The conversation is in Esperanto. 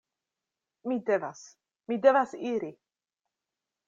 Mi devas, mi devas iri!